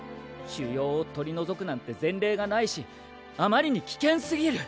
腫瘍を取り除くなんて前例がないしあまりに危険すぎる。